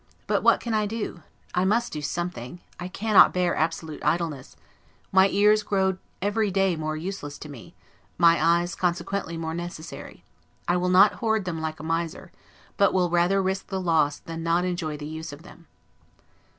But what can I do? I must do something; I cannot bear absolute idleness; my ears grow every day more useless to me, my eyes consequently more necessary; I will not hoard them like a miser, but will rather risk the loss, than not enjoy the use of them.